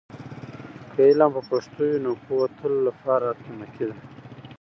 که علم په پښتو وي، نو پوهه تل لپاره قیمتي وي.